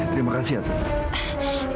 terima kasih asli